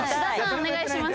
お願いします。